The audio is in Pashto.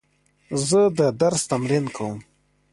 زه د درس تمرین کوم.